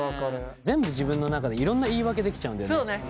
全部自分の中でいろんな言い訳できちゃうんだよね。